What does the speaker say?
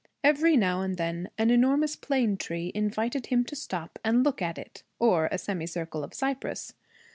Every now and then an enormous plane tree invited him to stop and look at it, or a semi circle of cypresses.